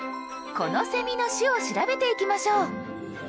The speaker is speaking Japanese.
このセミの種を調べていきましょう。